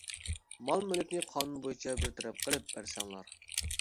مال-مۈلۈكنى قانۇن بويىچە بىر تەرەپ قىلىپ بەرسەڭلار.